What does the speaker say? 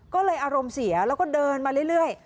ก็เลยอารมณ์เสียแล้วก็เดินมาเรื่อย